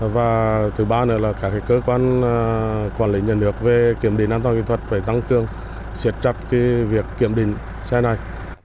và thứ ba nữa là cả cái cơ quan quản lý nhân lực về kiểm định an toàn kỹ thuật phải tăng cương siệt chặt cái việc kiểm định xe này